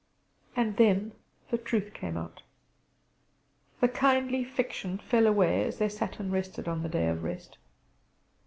And then the truth came out! The kindly fiction fell away as they sat and rested on the day of rest.